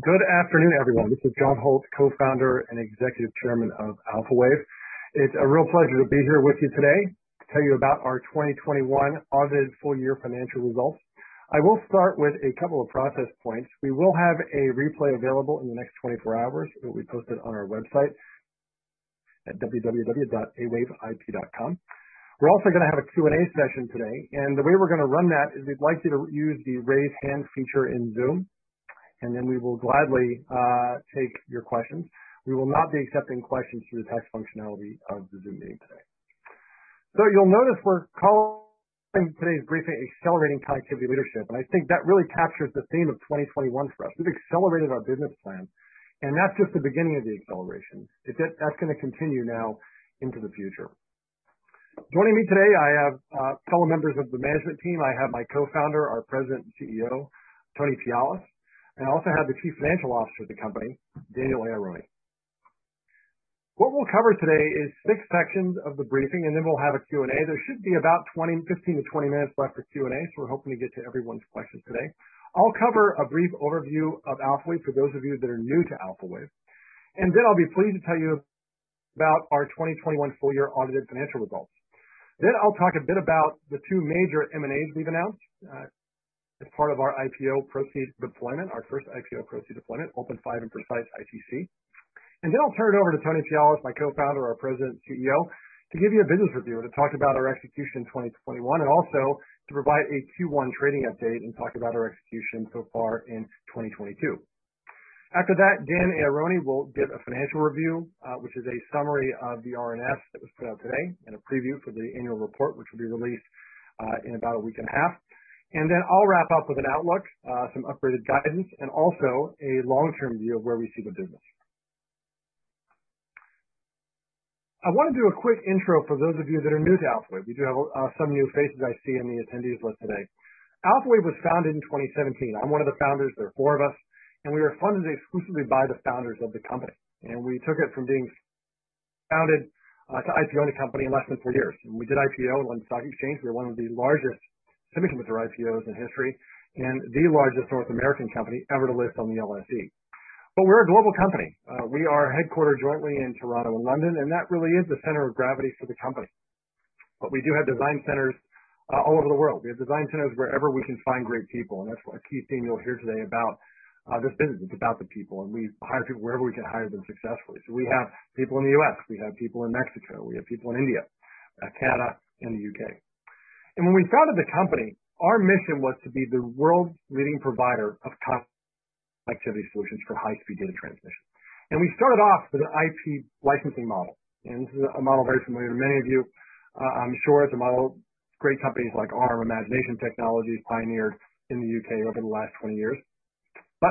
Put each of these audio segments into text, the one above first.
Good afternoon, everyone. This is John Lofton Holt, Co-Founder and Executive Chairman of Alphawave IP Group. It's a real pleasure to be here with you today to tell you about our 2021 audited full year financial results. I will start with a couple of process points. We will have a replay available in the next 24 hours. It will be posted on our website at www.awaveip.com. We're also gonna have a Q&A session today, and the way we're gonna run that is we'd like you to use the Raise Hand feature in Zoom, and then we will gladly take your questions. We will not be accepting questions through the text functionality of the Zoom meeting today. You'll notice we're calling today's briefing Accelerating Connectivity Leadership, and I think that really captures the theme of 2021 for us. We've accelerated our business plan, and that's just the beginning of the acceleration. That's gonna continue now into the future. Joining me today, I have fellow members of the management team. I have my co-founder, our President and CEO, Tony Pialis, and I also have the Chief Financial Officer of the company, Daniel Aharoni. What we'll cover today is six sections of the briefing, and then we'll have a Q&A. There should be about 15-20 minutes left for Q&A, so we're hoping to get to everyone's questions today. I'll cover a brief overview of Alphawave for those of you that are new to Alphawave, and then I'll be pleased to tell you about our 2021 full year audited financial results. I'll talk a bit about the two major M&As we've announced, as part of our IPO proceeds deployment, our first IPO proceeds deployment, OpenFive and Precise-ITC. I'll turn it over to Tony Pialis, my co-founder, our president and CEO, to give you a business review and to talk about our execution in 2021, and also to provide a Q1 trading update and talk about our execution so far in 2022. After that, Daniel Aharoni will give a financial review, which is a summary of the RNS that was put out today and a preview for the annual report, which will be released in about a week and a half. I'll wrap up with an outlook, some upgraded guidance, and also a long-term view of where we see the business. I wanna do a quick intro for those of you that are new to Alphawave. We do have some new faces I see in the attendees list today. Alphawave was founded in 2017. I'm one of the founders. There are four of us, and we were funded exclusively by the founders of the company. We took it from being founded to IPO-ing the company in less than four years. We did IPO on the London Stock Exchange. We were one of the largest semiconductor IPOs in history and the largest North American company ever to list on the LSE. We're a global company. We are headquartered jointly in Toronto and London, and that really is the center of gravity for the company. We do have design centers all over the world. We have design centers wherever we can find great people, and that's a key theme you'll hear today about this business. It's about the people, and we hire people wherever we can hire them successfully. We have people in the U.S., we have people in Mexico, we have people in India, Canada, and the U.K. When we founded the company, our mission was to be the world's leading provider of connectivity solutions for high-speed data transmission. We started off with an IP licensing model, and this is a model very familiar to many of you, I'm sure. It's a model great companies like Arm and Imagination Technologies pioneered in the U.K. over the last 20 years.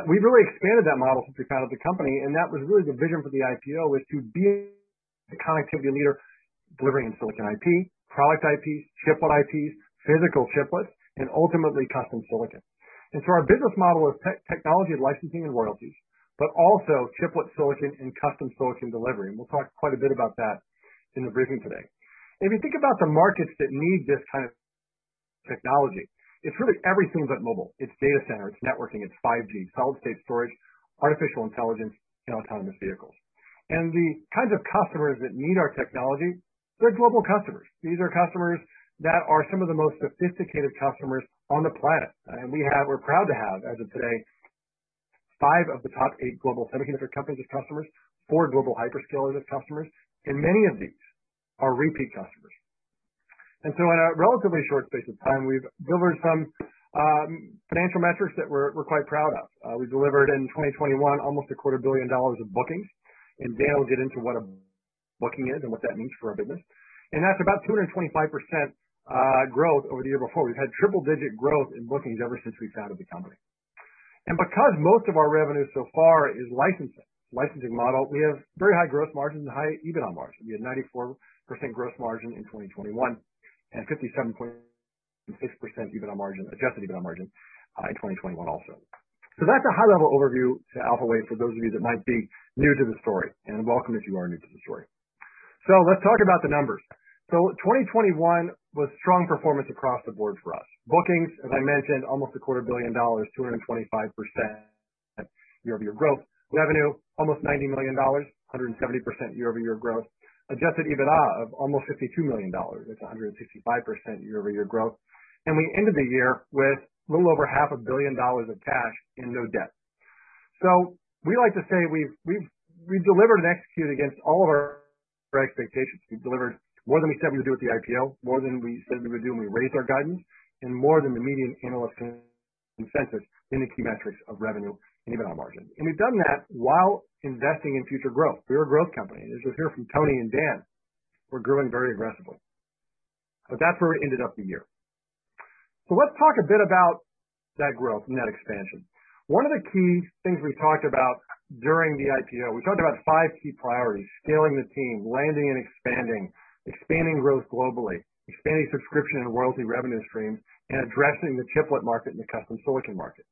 We've really expanded that model since we founded the company, and that was really the vision for the IPO, was to be the connectivity leader delivering silicon IP, product IP, chiplet IP, physical chiplets, and ultimately custom silicon. Our business model is technology licensing and royalties, but also chiplet silicon and custom silicon delivery. We'll talk quite a bit about that in the briefing today. If you think about the markets that need this kind of technology, it's really everything but mobile. It's data center, it's networking, it's 5G, solid-state storage, artificial intelligence, and autonomous vehicles. The kinds of customers that need our technology, they're global customers. These are customers that are some of the most sophisticated customers on the planet. We're proud to have, as of today, five of the top eight global semiconductor companies as customers, four global hyperscalers as customers, and many of these are repeat customers. In a relatively short space of time, we've delivered some financial metrics that we're quite proud of. We delivered in 2021 almost a quarter billion dollars of bookings, and Dan will get into what a booking is and what that means for our business. That's about 225% growth over the year before. We've had triple digit growth in bookings ever since we founded the company. Because most of our revenue so far is licensing model, we have very high gross margins and high EBITDA margins. We had 94% gross margin in 2021 and 57.6% EBITDA margin, adjusted EBITDA margin, in 2021 also. That's a high level overview to Alphawave for those of you that might be new to the story, and welcome if you are new to the story. Let's talk about the numbers. 2021 was strong performance across the board for us. Bookings, as I mentioned, almost $250 million, 225% year-over-year growth. Revenue, almost $90 million, 170% year-over-year growth. Adjusted EBITDA of almost $52 million. That's 165% year-over-year growth. We ended the year with a little over half a billion dollars of cash and no debt. We like to say we've delivered and executed against all of our expectations. We've delivered more than we said we would do with the IPO, more than we said we would do when we raised our guidance, and more than the median analyst consensus in the key metrics of revenue and EBITDA margin. We've done that while investing in future growth. We're a growth company, and as you'll hear from Tony and Dan, we're growing very aggressively. That's where we ended up the year. Let's talk a bit about that growth and that expansion. One of the key things we talked about during the IPO, we talked about five key priorities, scaling the team, landing and expanding growth globally, expanding subscription and royalty revenue streams, and addressing the chiplet market and the custom silicon market.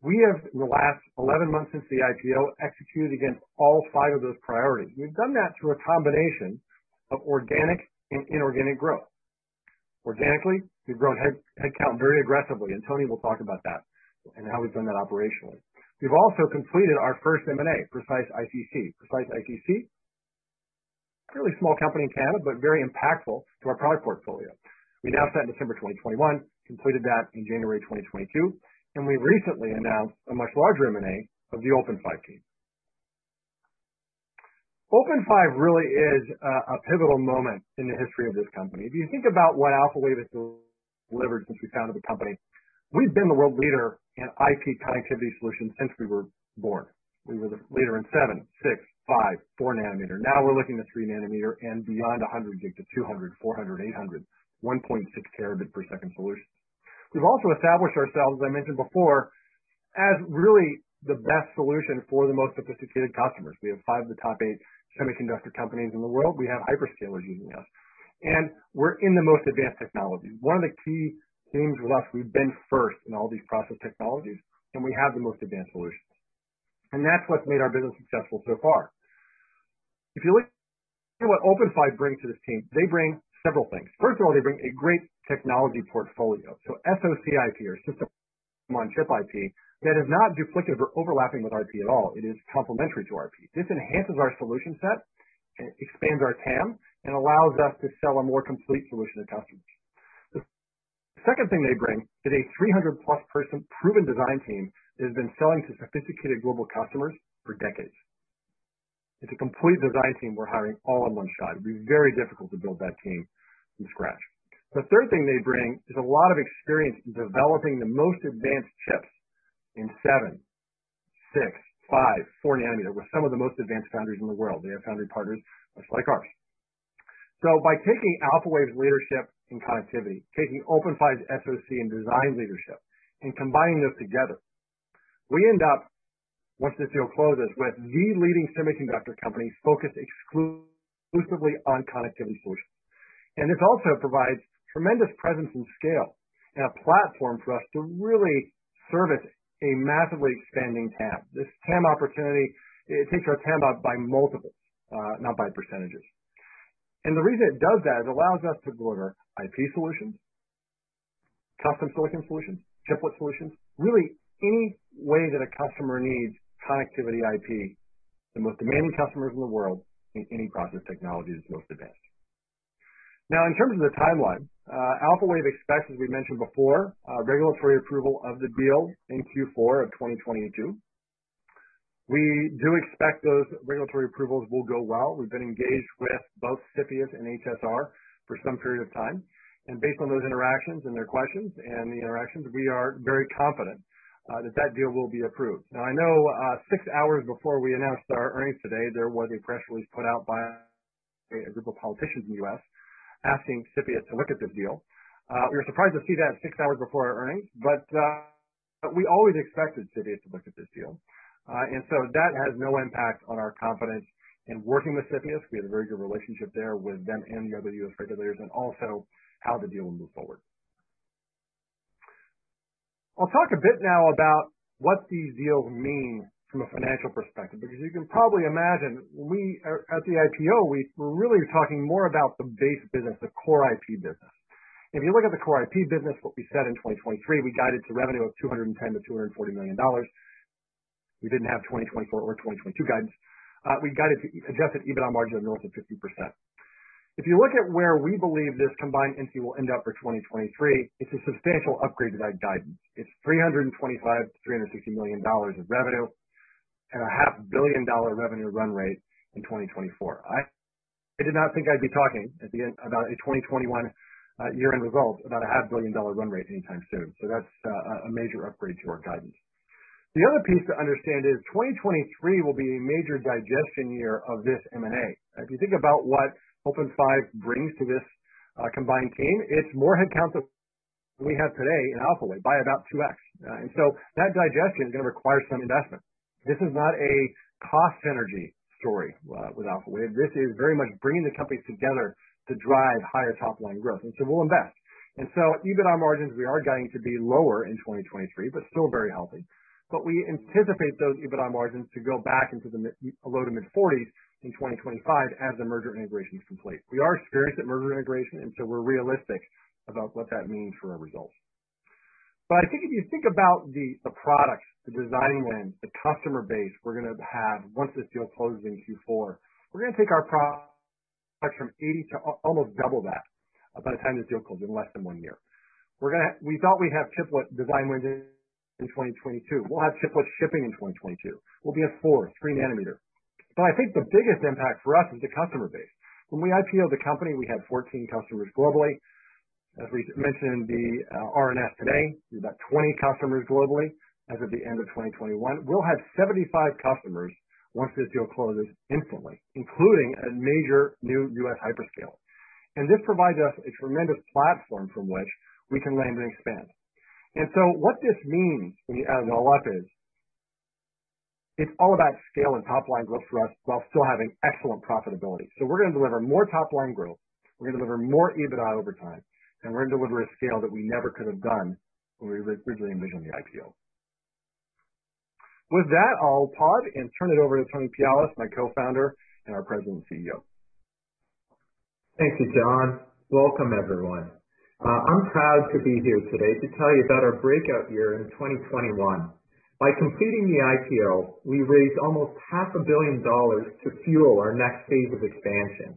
We have, in the last 11 months since the IPO, executed against all five of those priorities. We've done that through a combination of organic and inorganic growth. Organically, we've grown headcount very aggressively, and Tony will talk about that and how we've done that operationally. We've also completed our first M&A, Precise-ITC. Precise-ITC, fairly small company in Canada, but very impactful to our product portfolio. We announced that in December 2021, completed that in January 2022, and we recently announced a much larger M&A of the OpenFive team. OpenFive really is a pivotal moment in the history of this company. If you think about what Alphawave has delivered since we founded the company, we've been the world leader in IP connectivity solutions since we were born. We were the leader in seven, six, five, four nanometer. Now we're looking at three nanometer and beyond 100 Gb to 200, 400, 800, 1.6 Tb/s solutions. We've also established ourselves, as I mentioned before, as really the best solution for the most sophisticated customers. We have five of the top eight semiconductor companies in the world. We have hyperscalers using us, and we're in the most advanced technology. One of the key themes for us, we've been first in all these process technologies, and we have the most advanced solutions. That's what's made our business successful so far. If you look at what OpenFive brings to this team, they bring several things. First of all, they bring a great technology portfolio, so SoC IP or system-on-chip IP that is not duplicative or overlapping with IP at all. It is complementary to IP. This enhances our solution set. It expands our TAM and allows us to sell a more complete solution to customers. The second thing they bring is a 300+ person proven design team that has been selling to sophisticated global customers for decades. It's a complete design team we're hiring all in one shot. It'd be very difficult to build that team from scratch. The third thing they bring is a lot of experience in developing the most advanced chips in seven, six, five, four nanometer with some of the most advanced foundries in the world. They have foundry partners much like ours. By taking Alphawave's leadership in connectivity, taking OpenFive's SoC and design leadership and combining those together, we end up, once this deal closes, with the leading semiconductor company focused exclusively on connectivity solutions. This also provides tremendous presence and scale and a platform for us to really service a massively expanding TAM. This TAM opportunity, it takes our TAM up by multiples, not by percentages. The reason it does that is it allows us to deliver IP solutions, custom silicon solutions, chiplet solutions, really any way that a customer needs connectivity IP, the most demanding customers in the world in any process technology that's most advanced. Now, in terms of the timeline, Alphawave expects, as we mentioned before, regulatory approval of the deal in Q4 of 2022. We do expect those regulatory approvals will go well. We've been engaged with both CFIUS and HSR for some period of time, and based on those interactions and their questions and the interactions, we are very confident that that deal will be approved. Now, I know six hours before we announced our earnings today, there was a press release put out by a group of politicians in the U.S. asking CFIUS to look at this deal. We were surprised to see that six hours before our earnings, but we always expected CFIUS to look at this deal. That has no impact on our confidence in working with CFIUS. We have a very good relationship there with them and the other U.S. regulators and also how the deal will move forward. I'll talk a bit now about what these deals mean from a financial perspective, because as you can probably imagine, at the IPO, we're really talking more about the base business, the core IP business. If you look at the core IP business, what we said in 2023, we guided to revenue of $210 million-$240 million. We didn't have 2024 or 2022 guidance. We guided to adjusted EBITDA margin of north of 50%. If you look at where we believe this combined entity will end up for 2023, it's a substantial upgrade to that guidance. It's $325 million-$360 million of revenue and a half billion dollar revenue run rate in 2024. I did not think I'd be talking at the end about a 2021 year-end result about a half billion dollar run rate anytime soon. That's a major upgrade to our guidance. The other piece to understand is 2023 will be a major digestion year of this M&A. If you think about what OpenFive brings to this combined team, it's more headcounts than we have today in Alphawave by about two x. That digestion is gonna require some investment. This is not a cost synergy story with Alphawave. This is very much bringing the companies together to drive higher top-line growth. We'll invest. EBITDA margins, we are guiding to be lower in 2023, but still very healthy. We anticipate those EBITDA margins to go back into the low- to mid-40s% in 2025 as the merger integration is complete. We are experienced at merger integration, and so we're realistic about what that means for our results. I think if you think about the products, the design wins, the customer base we're gonna have once this deal closes in Q4, we're gonna take our products from 80 to almost double that by the time this deal closes in less than one year. We thought we'd have chiplet design wins in 2022. We'll have chiplets shipping in 2022. We'll be at four, three nanometer. I think the biggest impact for us is the customer base. When we IPOed the company, we had 14 customers globally. As we mentioned in the RNS today, we have about 20 customers globally as of the end of 2021. We'll have 75 customers once this deal closes instantly, including a major new U.S. hyperscaler. This provides us a tremendous platform from which we can land and expand. What this means when you add it all up is it's all about scale and top line growth for us while still having excellent profitability. We're gonna deliver more top line growth. We're gonna deliver more EBITDA over time, and we're gonna deliver a scale that we never could have done when we were originally envisioning the IPO. With that, I'll pause and turn it over to Tony Pialis, my co-founder and our President and CEO. Thank you, John. Welcome, everyone. I'm proud to be here today to tell you about our breakout year in 2021. By completing the IPO, we raised almost half a billion dollars to fuel our next phase of expansion.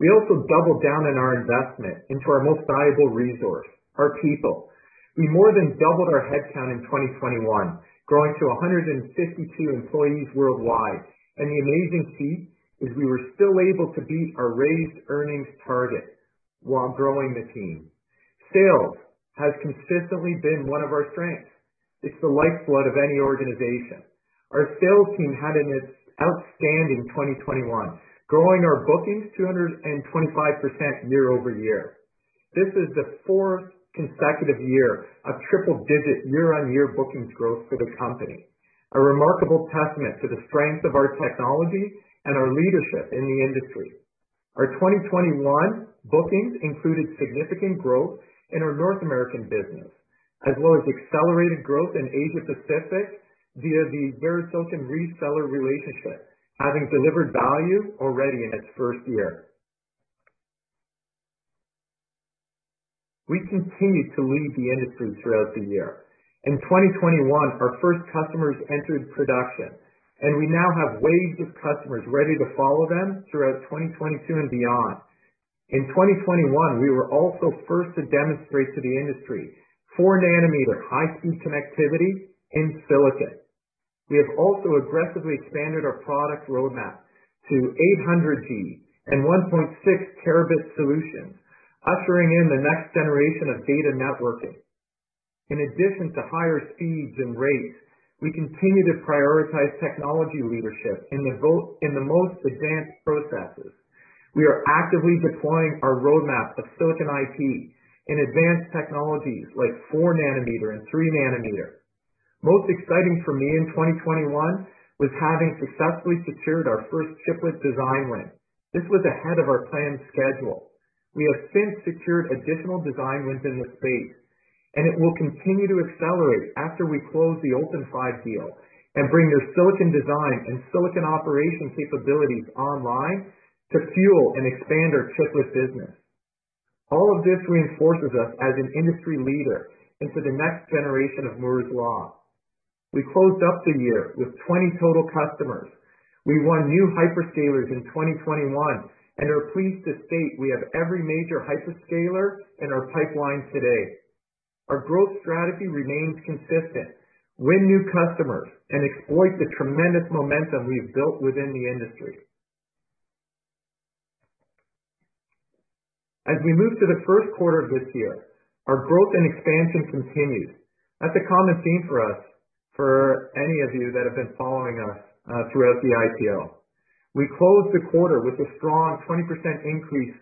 We also doubled down on our investment into our most valuable resource, our people. We more than doubled our headcount in 2021, growing to 152 employees worldwide. The amazing feat is we were still able to beat our raised earnings target while growing the team. Sales has consistently been one of our strengths. It's the lifeblood of any organization. Our sales team had an outstanding 2021, growing our bookings 225% year-over-year. This is the fourth consecutive year of triple-digit year-over-year bookings growth for the company. A remarkable testament to the strength of our technology and our leadership in the industry. Our 2021 bookings included significant growth in our North American business, as well as accelerated growth in Asia Pacific via the VeriSilicon reseller relationship, having delivered value already in its first year. We continued to lead the industry throughout the year. In 2021, our first customers entered production, and we now have waves of customers ready to follow them throughout 2022 and beyond. In 2021, we were also first to demonstrate to the industry 4 nm high-speed connectivity in silicon. We have also aggressively expanded our product roadmap to 800G and 1.6T solutions, ushering in the next generation of data networking. In addition to higher speeds and rates, we continue to prioritize technology leadership in the most advanced processes. We are actively deploying our roadmap of silicon IP in advanced technologies like 4 nanometer and 3 nanometer. Most exciting for me in 2021 was having successfully secured our first chiplet design win. This was ahead of our planned schedule. We have since secured additional design wins in this space, and it will continue to accelerate after we close the OpenFive deal and bring their silicon design and silicon operation capabilities online to fuel and expand our chiplet business. All of this reinforces us as an industry leader into the next generation of Moore's Law. We closed out the year with 20 total customers. We won new hyperscalers in 2021 and are pleased to state we have every major hyperscaler in our pipeline today. Our growth strategy remains consistent. Win new customers and exploit the tremendous momentum we've built within the industry. As we move to the Q1 of this year, our growth and expansion continues. That's a common theme for us, for any of you that have been following us, throughout the IPO. We closed the quarter with a strong 20% increase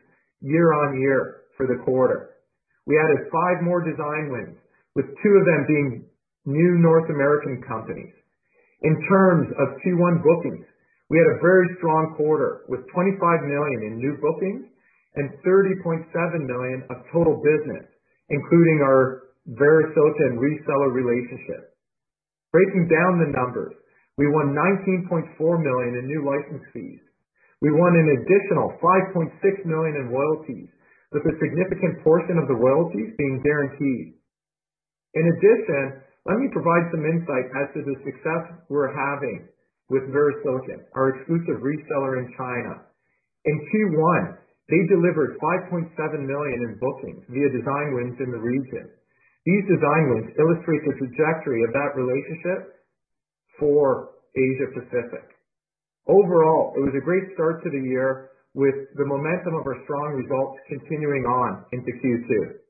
year-on-year for the quarter. We added five more design wins, with two of them being new North American companies. In terms of Q1 bookings, we had a very strong quarter with $25 million in new bookings and $30.7 million of total business, including our VeriSilicon reseller relationship. Breaking down the numbers, we won $19.4 million in new license fees. We won an additional $5.6 million in royalties, with a significant portion of the royalties being guaranteed. In addition, let me provide some insight as to the success we're having with VeriSilicon, our exclusive reseller in China. In Q1, they delivered $5.7 million in bookings via design wins in the region. These design wins illustrate the trajectory of that relationship for Asia Pacific. Overall, it was a great start to the year with the momentum of our strong results continuing on into Q2.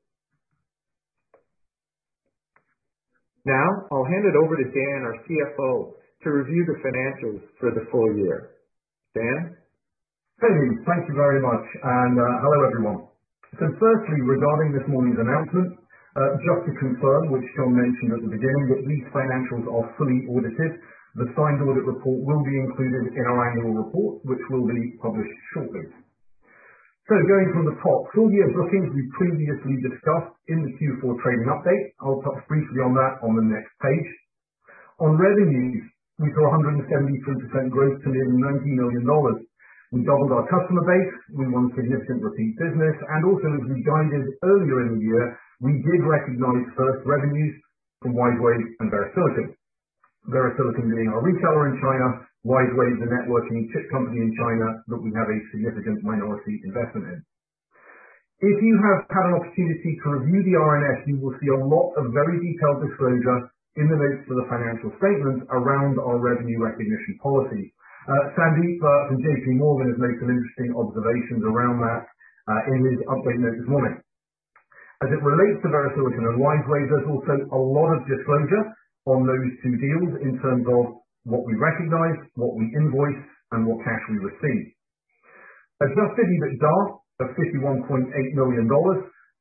Now, I'll hand it over to Dan, our CFO, to review the financials for the full year. Dan? Thank you. Thank you very much, and hello, everyone. Firstly, regarding this morning's announcement, just to confirm which John mentioned at the beginning, that these financials are fully audited. The signed audit report will be included in our annual report, which will be published shortly. Going from the top, full year bookings we previously discussed in the Q4 trading update. I'll touch briefly on that on the next page. On revenues, we saw 172% growth to nearly $90 million. We doubled our customer base. We won significant repeat business and also, as we guided earlier in the year, we did recognize first revenues from WiseWave and VeriSilicon. VeriSilicon being our retailer in China, WiseWave, the networking chip company in China that we have a significant minority investment in. If you have had an opportunity to review the RNS, you will see a lot of very detailed disclosure in the notes for the financial statements around our revenue recognition policy. Sandeep from JP Morgan has made some interesting observations around that, in his update note this morning. As it relates to VeriSilicon and WiseWave, there's also a lot of disclosure on those two deals in terms of what we recognize, what we invoice, and what cash we receive. Adjusted EBITDA of $51.8 million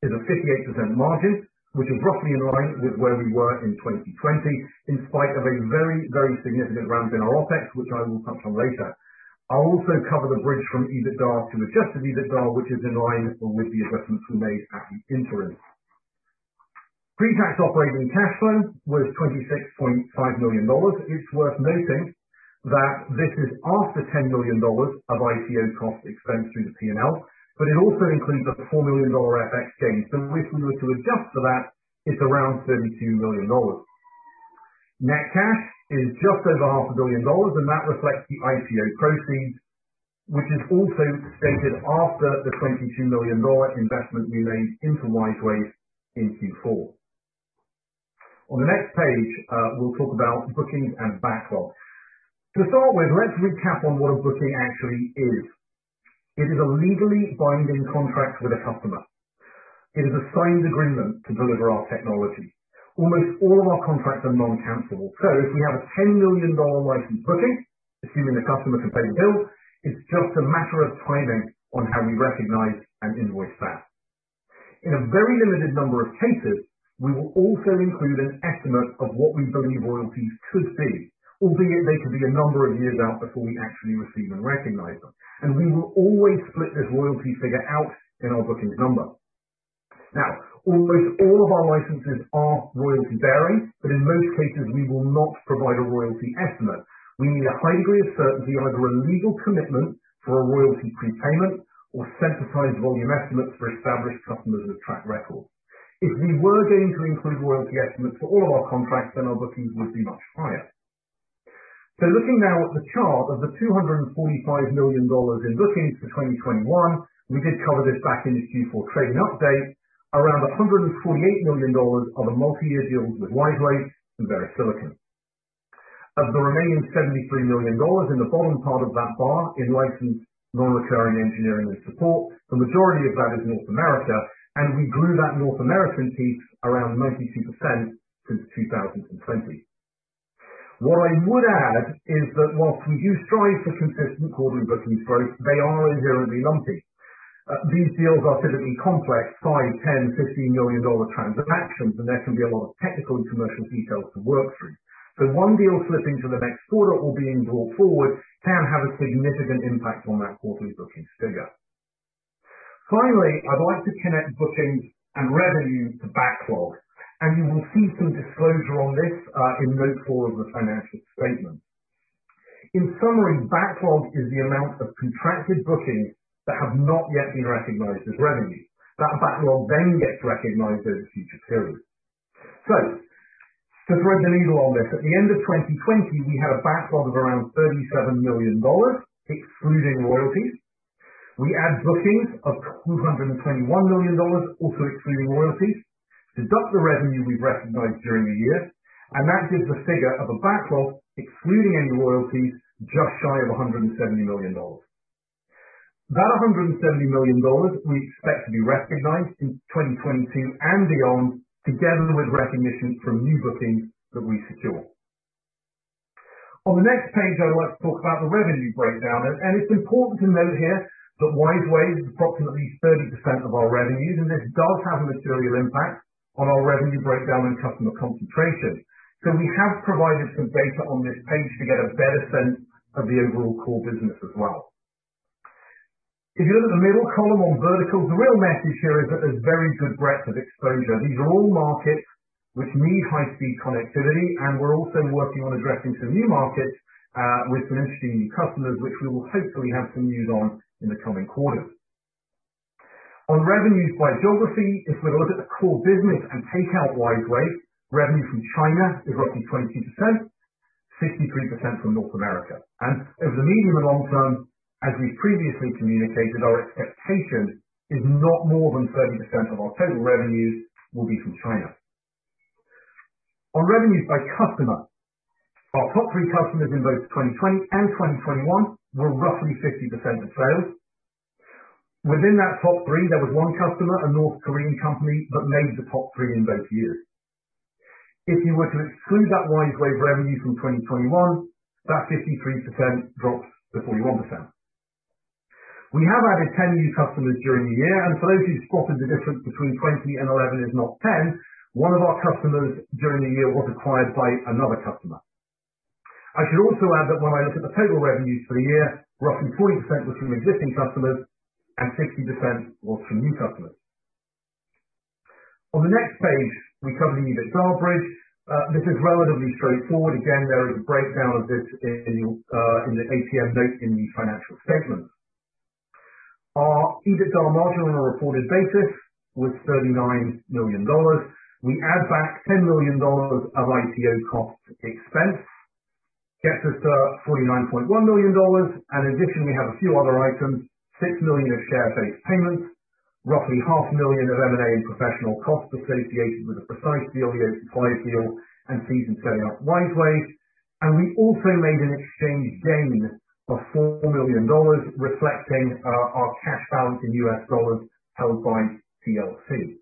is a 58% margin, which is roughly in line with where we were in 2020, in spite of a very, very significant ramp in our OpEx, which I will touch on later. I'll also cover the bridge from EBITDA to adjusted EBITDA, which is in line with the assessments we made at the interim. Pre-tax operating cash flow was $26.5 million. It's worth noting that this is after $10 million of IPO costs expensed through the P&L, but it also includes a $4 million FX gain. If we were to adjust for that, it's around $32 million. Net cash is just over half a billion dollars, and that reflects the IPO proceeds, which is also stated after the $22 million investment we made into WiseWave in Q4. On the next page, we'll talk about bookings and backlog. To start with, let's recap on what a booking actually is. It is a legally binding contract with a customer. It is a signed agreement to deliver our technology. Almost all of our contracts are non-cancelable. If we have a $10 million license booking, assuming the customer can pay the bill, it's just a matter of timing on how we recognize and invoice that. In a very limited number of cases, we will also include an estimate of what we believe royalties could be, albeit they could be a number of years out before we actually receive and recognize them. We will always split this royalty figure out in our bookings number. Now, almost all of our licenses are royalty bearing, but in most cases we will not provide a royalty estimate. We need a high degree of certainty, either a legal commitment for a royalty prepayment or sensitized volume estimates for established customers with track record. If we were going to include royalty estimates for all of our contracts, then our bookings would be much higher. Looking now at the chart of the $245 million in bookings for 2021, we did cover this back in the Q4 trading update. Around $148 million are the multi-year deals with WiseWave and VeriSilicon. Of the remaining $73 million in the bottom part of that bar in licensed non-recurring engineering and support, the majority of that is North America, and we grew that North American piece around 92% since 2020. What I would add is that while we do strive for consistent quarterly bookings growth, they are inherently lumpy. These deals are typically complex, $5, $10, $15 million transactions, and there can be a lot of technical and commercial details to work through. One deal slipping to the next quarter or being brought forward can have a significant impact on that quarterly bookings figure. Finally, I'd like to connect bookings and revenue to backlog, and you will see some disclosure on this, in note four of the financial statement. In summary, backlog is the amount of contracted bookings that have not yet been recognized as revenue. That backlog then gets recognized over future periods. To thread the needle on this, at the end of 2020, we had a backlog of around $37 million, excluding royalties. We add bookings of $221 million, also excluding royalties. Deduct the revenue we've recognized during the year, and that gives a figure of a backlog, excluding any royalties, just shy of $170 million. That's $170 million we expect to be recognized in 2022 and beyond, together with recognition from new bookings that we secure. On the next page, I'd like to talk about the revenue breakdown. It's important to note here that WiseWave is approximately 30% of our revenues, and this does have a material impact on our revenue breakdown and customer concentration. We have provided some data on this page to get a better sense of the overall core business as well. If you look at the middle column on vertical, the real message here is that there's very good breadth of exposure. These are all markets which need high-speed connectivity, and we're also working on addressing some new markets with some interesting new customers, which we will hopefully have some news on in the coming quarters. On revenues by geography, if we look at the core business and take out WiseWave, revenue from China is roughly 20%, 63% from North America. In the medium and long term, as we've previously communicated, our expectation is not more than 30% of our total revenues will be from China. On revenues by customer, our top three customers in both 2020 and 2021 were roughly 50% of sales. Within that top three, there was one customer, a North American company, that made the top three in both years. If you were to exclude that WiseWave revenue from 2021, that 53% drops to 41%. We have added 10 new customers during the year. For those who spotted the difference between 2020 and 2021 is not 10, one of our customers during the year was acquired by another customer. I should also add that when I look at the total revenues for the year, roughly 40% was from existing customers and 60% was from new customers. On the next page, we're covering EBITDA bridge. This is relatively straightforward. Again, there is a breakdown of this in the a note in the financial statements. Our EBITDA margin on a reported basis was $39 million. We add back $10 million of IPO costs expense. Gets us to $49.1 million. Additionally, we have a few other items, $6 million of share-based payments, roughly half million of M&A and professional costs associated with the Precise deal, the Osprey deal, and fees in setting up WiseWave. We also made an exchange gain of $4 million, reflecting our cash balance in US dollars held by TLC.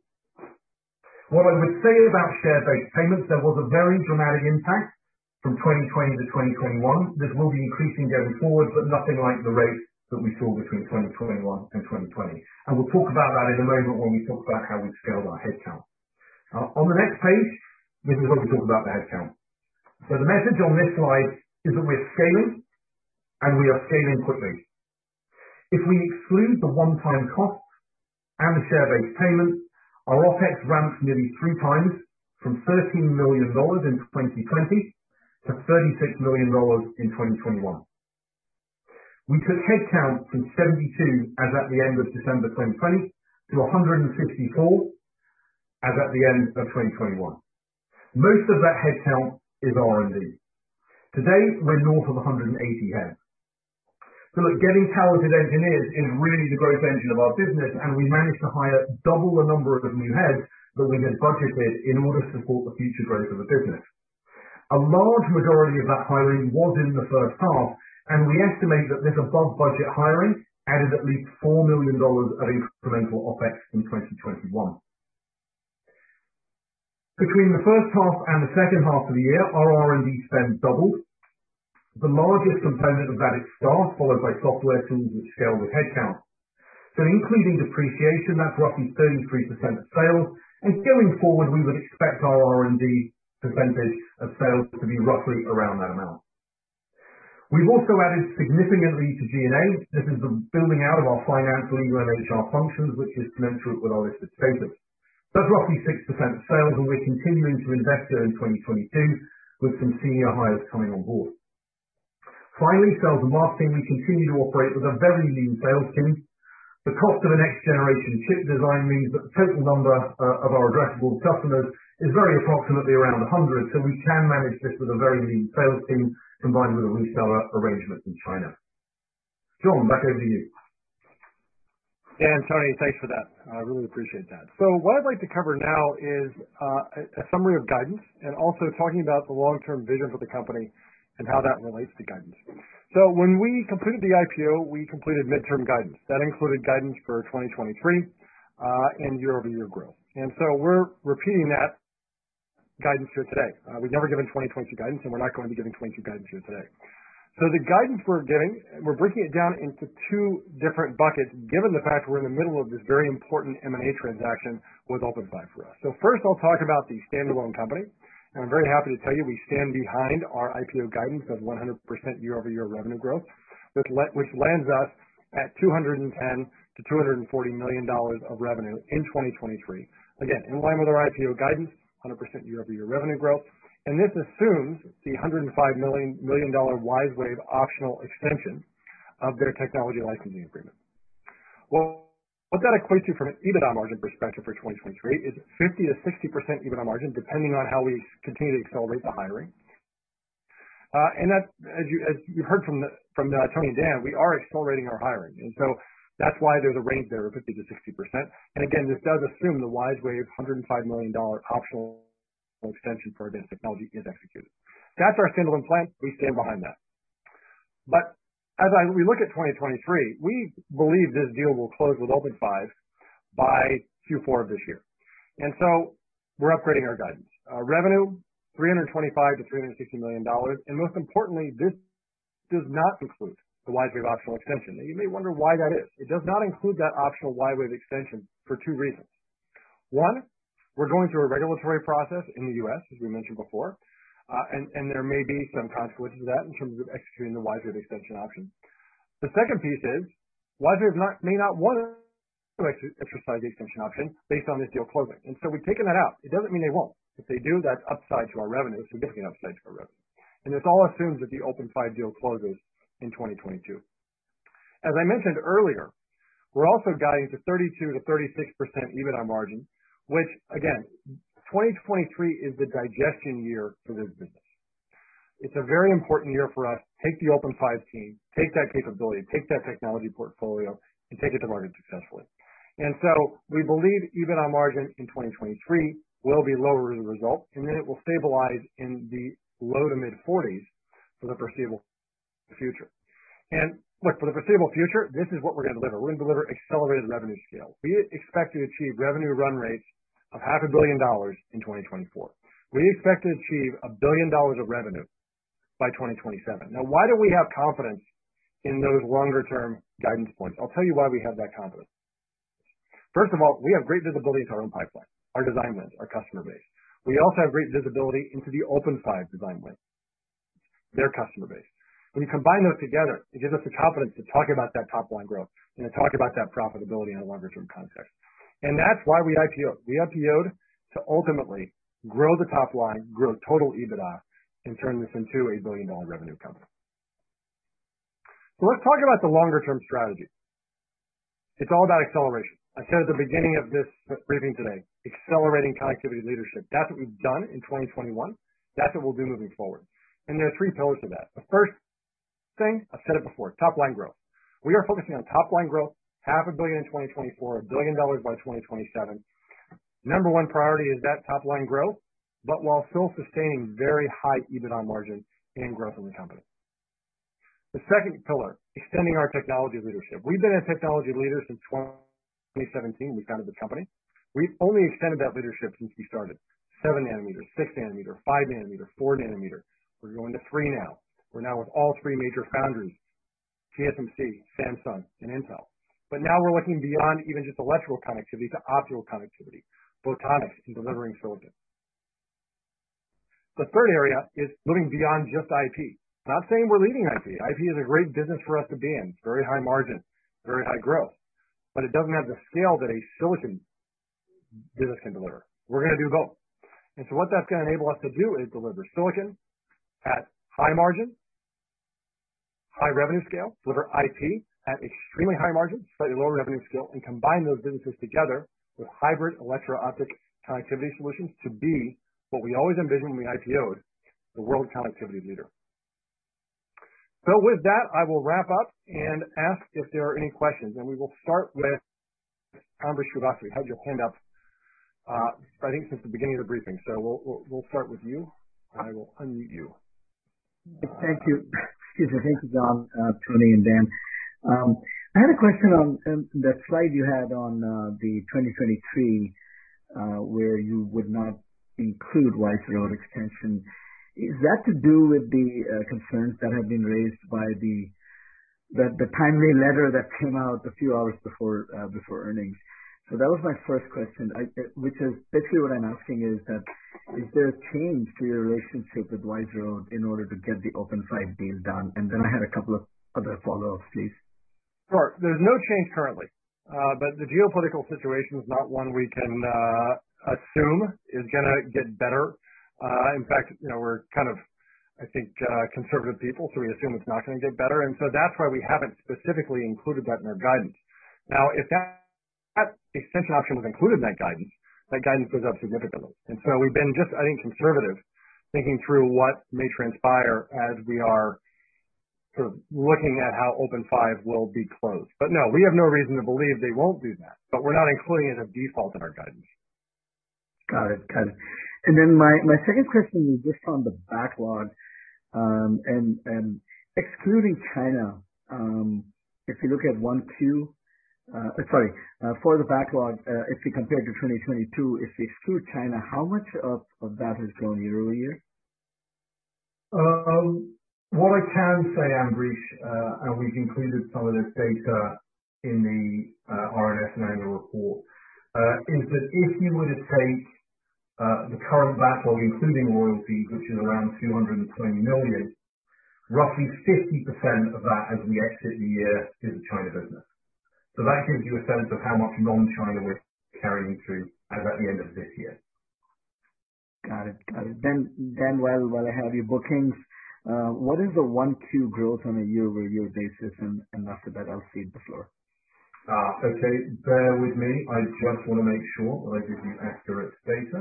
What I would say about share-based payments, there was a very dramatic impact from 2020 to 2021. This will be increasing going forward, but nothing like the rate that we saw between 2021 and 2020. We'll talk about that in a moment when we talk about how we've scaled our headcount. On the next page, this is where we talk about the headcount. The message on this slide is that we're scaling, and we are scaling quickly. If we exclude the one-time costs and the share-based payments, our OpEx ramped nearly three times from $13 million in 2020 to $36 million in 2021. We took headcount from 72 as at the end of December 2020 to 164 as at the end of 2021. Most of that headcount is R&D. Today, we're north of 180 heads. Look, getting talented engineers is really the growth engine of our business, and we managed to hire double the number of new heads that we had budgeted in order to support the future growth of the business. A large majority of that hiring was in the first half, and we estimate that this above budget hiring added at least $4 million of incremental OpEx in 2021. Between the first half and the second half of the year, our R&D spend doubled. The largest component of that is staff, followed by software tools, which scale with headcount. Including depreciation, that's roughly 33% of sales. Going forward, we would expect our R&D percentage of sales to be roughly around that amount. We've also added significantly to G&A. This is the building out of our finance and HR functions, which is commensurate with our listed status. That's roughly 6% of sales, and we're continuing to invest there in 2022 with some senior hires coming on board. Finally, sales and marketing. We continue to operate with a very lean sales team. The cost of a next generation chip design means that the total number of our addressable customers is very approximately around 100. So we can manage this with a very lean sales team combined with a reseller arrangement in China. John, back over to you. Yeah. Tony, thanks for that. I really appreciate that. What I'd like to cover now is a summary of guidance and also talking about the long-term vision for the company and how that relates to guidance. When we completed the IPO, we completed midterm guidance. That included guidance for 2023 and year-over-year growth. We're repeating that guidance here today. We've never given 2020 guidance, and we're not going to be giving 2020 guidance here today. The guidance we're giving, we're breaking it down into two different buckets, given the fact we're in the middle of this very important M&A transaction with OpenFive for us. First, I'll talk about the standalone company. I'm very happy to tell you, we stand behind our IPO guidance of 100% year-over-year revenue growth, which lands us at $210 million-$240 million of revenue in 2023. Again, in line with our IPO guidance, 100% year-over-year revenue growth. This assumes the $105 million WiseWave optional extension of their technology licensing agreement. Well, what that equates to from an EBITDA margin perspective for 2023 is 50%-60% EBITDA margin, depending on how we continue to accelerate the hiring. As you heard from Tony and Dan, we are accelerating our hiring. That's why there's a range there of 50%-60%. Again, this does assume the WiseWave $105 million optional extension for our technology is executed. That's our standalone plan. We stand behind that. But as we look at 2023, we believe this deal will close with OpenFive by Q4 of this year. We're upgrading our guidance. Revenue $325 million-$360 million. Most importantly, this does not include the WiseWave optional extension. Now you may wonder why that is. It does not include that optional WiseWave extension for two reasons. One, we're going through a regulatory process in the U.S., as we mentioned before, and there may be some consequences of that in terms of executing the WiseWave extension option. The second piece is WiseWave may not want to exercise the extension option based on this deal closing, and so we've taken that out. It doesn't mean they won't. If they do, that's upside to our revenues. Significant upside to our revenues. This all assumes that the OpenFive deal closes in 2022. As I mentioned earlier, we're also guiding to 32%-36% EBITDA margin, which again, 2023 is the digestion year for this business. It's a very important year for us. Take the OpenFive team, take that capability, take that technology portfolio, and take it to market successfully. We believe EBITDA margin in 2023 will be lower as a result, and then it will stabilize in the low-to-mid 40s% for the foreseeable future. Look, for the foreseeable future, this is what we're gonna deliver. We're gonna deliver accelerated revenue scale. We expect to achieve revenue run rates of half a billion dollars in 2024. We expect to achieve $1 billion of revenue by 2027. Now, why do we have confidence in those longer term guidance points? I'll tell you why we have that confidence. First of all, we have great visibility into our own pipeline, our design wins, our customer base. We also have great visibility into the OpenFive design wins, their customer base. When you combine those together, it gives us the confidence to talk about that top line growth and to talk about that profitability in a longer term context. That's why we IPO'd. We IPO'd to ultimately grow the top line, grow total EBITDA, and turn this into a billion-dollar revenue company. Let's talk about the longer term strategy. It's all about acceleration. I said at the beginning of this briefing today, accelerating connectivity leadership. That's what we've done in 2021. That's what we'll do moving forward. There are three pillars to that. The first thing, I've said it before, top line growth. We are focusing on top line growth, $ half a billion in 2024, $1 billion by 2027. Number one priority is that top line growth, but while still sustaining very high EBITDA margin and growth in the company. The second pillar, extending our technology leadership. We've been a technology leader since 2017. We founded the company. We've only extended that leadership since we started seven nanometer, six nanometer, five nanometer, four nanometer. We're going to three now. We're now with all three major foundries, TSMC, Samsung and Intel. Now we're looking beyond even just electrical connectivity to optical connectivity, photonics and delivering silicon. The third area is moving beyond just IP. Not saying we're leaving IP. IP is a great business for us to be in, very high margin, very high growth, but it doesn't have the scale that a silicon business can deliver. We're gonna do both. What that's gonna enable us to do is deliver silicon at high margin, high revenue scale, deliver IP at extremely high margin, slightly lower revenue scale, and combine those businesses together with hybrid electro-optic connectivity solutions to be what we always envisioned when we IPO'd, the world connectivity leader. With that, I will wrap up and ask if there are any questions. We will start with Ambrish Srivastava. You had your hand up, I think since the beginning of the briefing, so we'll start with you, and I will unmute you. Thank you. Excuse me. Thanks, John, Tony, and Dan. I had a question on the slide you had on the 2023, where you would not include Wise Road extension. Is that to do with the concerns that have been raised by the timely letter that came out a few hours before earnings? That was my first question. Which is basically what I'm asking is that, is there a change to your relationship with Wise Road in order to get the OpenFive deal done? Then I had a couple of other follow-ups, please. Sure. There's no change currently, but the geopolitical situation is not one we can assume is gonna get better. In fact, you know, we're kind of, I think, conservative people, so we assume it's not gonna get better. That's why we haven't specifically included that in our guidance. Now, if that extension option was included in that guidance, that guidance goes up significantly. We've been just, I think, conservative, thinking through what may transpire as we are sort of looking at how OpenFive will be closed. No, we have no reason to believe they won't do that, but we're not including it as default in our guidance. Got it. My second question is just on the backlog, excluding China. If you look at one, two for the backlog, if you compare to 2022, if you exclude China, how much of that is going to the other year? What I can say, Ambrish, and we've included some of this data in the RNS annual report, is that if you were to take the current backlog including royalties, which is around $220 million, roughly 50% of that as we exit the year is the China business. That gives you a sense of how much non-China we're carrying through as at the end of this year. Got it. Daniel Aharoni, while I have you, bookings, what is the Q1-Q2 growth on a year-over-year basis? After that, I'll cede the floor. Okay. Bear with me. I just wanna make sure I give you accurate data.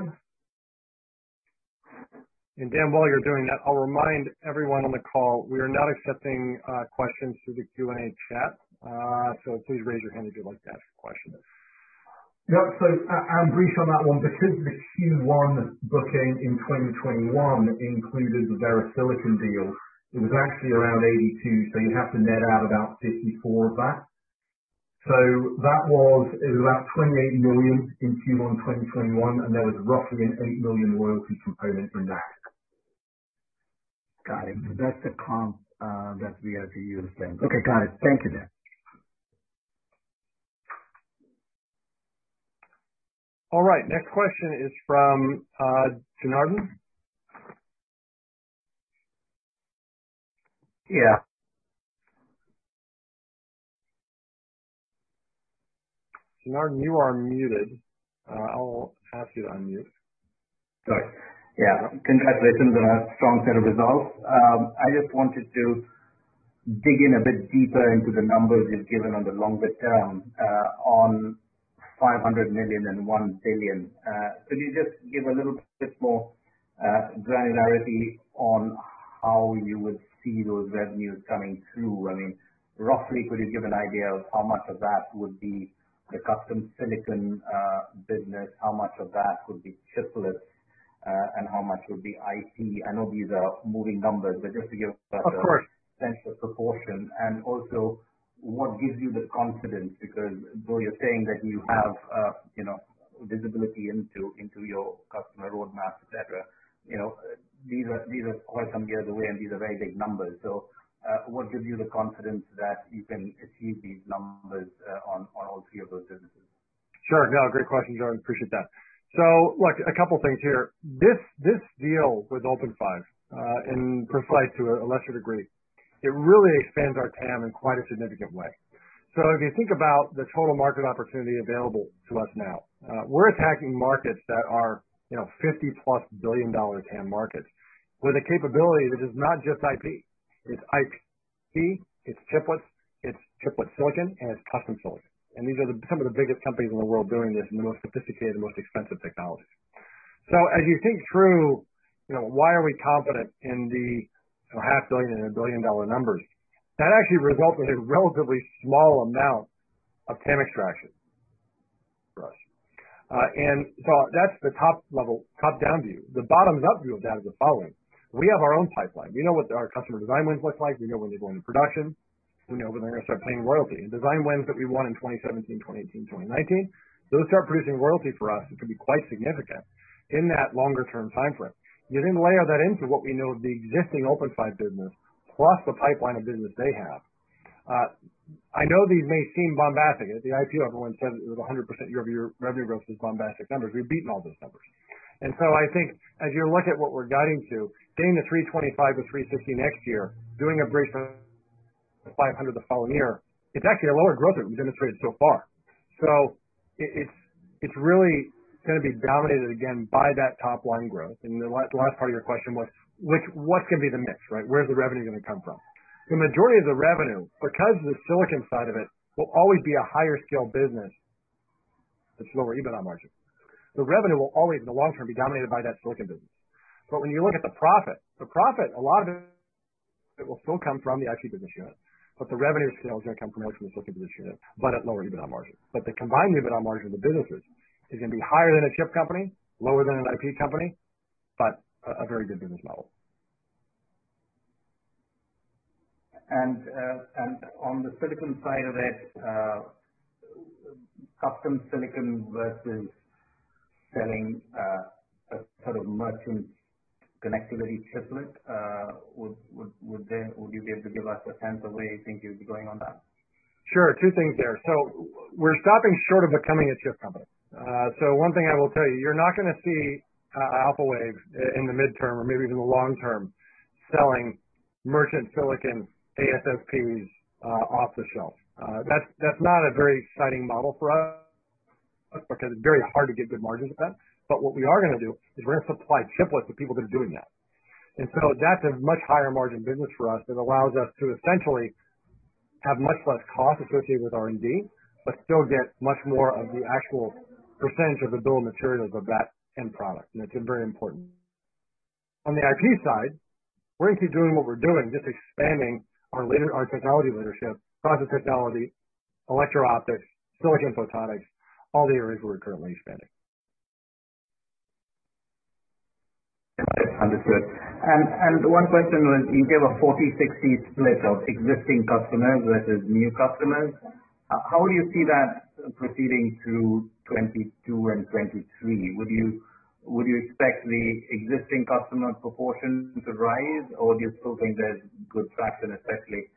Dan, while you're doing that, I'll remind everyone on the call, we are not accepting questions through the Q&A chat. Please raise your hand if you'd like to ask questions. Yeah. Ambrish, on that one, because the Q1 booking in 2021 included the VeriSilicon deal, it was actually around $82 million, so you have to net out about $54 million of that. That was about $28 million in Q1 2021, and there was roughly an $8 million royalty component in that. Got it. That's the comp, that's VeriSilicon you were saying. Okay, got it. Thank you, Dan. All right. Next question is from Janardan. Yeah. Janardan, you are muted. I'll ask you to unmute. Sorry. Yeah. Congratulations on a strong set of results. I just wanted to dig in a bit deeper into the numbers you've given on the longer term, on $500 million and $1 billion. Can you just give a little bit more granularity on how you would see those revenues coming through? I mean, roughly, could you give an idea of how much of that would be the custom silicon business? How much of that would be chiplets, and how much would be IP? I know these are moving numbers, but just to give. Of course. a sense of proportion and also what gives you the confidence because though you're saying that you have, you know, visibility into your customer roadmap, et cetera, you know, these are quite some years away, and these are very big numbers. What gives you the confidence that you can achieve these numbers, on all three of those businesses? Sure. No, great question, Janardhan. Appreciate that. Look, a couple things here. This deal with OpenFive, and Precise-ITC to a lesser degree, it really expands our TAM in quite a significant way. If you think about the total market opportunity available to us now, we're attacking markets that are, you know, $50+ billion-dollar TAM markets with a capability which is not just IP. It's IP, it's chiplets, it's chiplet silicon, and it's custom silicon. These are some of the biggest companies in the world doing this and the most sophisticated, most expensive technology. As you think through, you know, why are we confident in the $ half billion and $ billion dollar numbers, that actually results in a relatively small amount of TAM extraction for us. That's the top level, top-down view. The bottom-up view of that is the following. We have our own pipeline. We know what our customer design wins look like. We know when they go into production. We know when they're gonna start paying royalty. Design wins that we won in 2017, 2018, 2019, those start producing royalty for us, it can be quite significant in that longer term timeframe. You then layer that into what we know of the existing OpenFive business plus the pipeline of business they have. I know these may seem bombastic. At the IPO, everyone said it was 100% year-over-year revenue growth is bombastic numbers. We've beaten all those numbers. I think as you look at what we're guiding to, getting to $325 or $350 next year, doing a bridge $500 the following year, it's actually a lower growth that we've demonstrated so far. It's really gonna be dominated again by that top line growth. The last part of your question was what's gonna be the mix, right? Where's the revenue gonna come from? The majority of the revenue, because the silicon side of it will always be a higher scale business with lower EBITDA margins, the revenue will always, in the long term, be dominated by that silicon business. When you look at the profit, a lot of it will still come from the IP business unit, but the revenue scale is gonna come more from the silicon business unit, but at lower EBITDA margin. The combined EBITDA margin of the businesses is gonna be higher than a chip company, lower than an IP company, but a very good business model. On the silicon side of it, custom silicon versus selling a sort of merchant connectivity chiplet, would you be able to give us a sense of where you think you'd be going on that? Sure. Two things there. We're stopping short of becoming a chip company. One thing I will tell you're not gonna see Alphawave in the midterm or maybe even the long term selling merchant silicon ASICs off the shelf. That's not a very exciting model for us because it's very hard to get good margins with that. What we are gonna do is we're gonna supply chiplets to people that are doing that. That's a much higher margin business for us that allows us to essentially have much less cost associated with R&D, but still get much more of the actual percentage of the bill of materials of that end product, and it's very important. On the IP side, we're going to keep doing what we're doing, just expanding our technology leadership, process technology, electro-optics, silicon photonics, all the areas we're currently expanding. Understood. One question when you gave a 40-60 split of existing customers versus new customers, how do you see that proceeding through 2022 and 2023? Would you expect the existing customer proportion to rise or do you still think there's good traction, especially,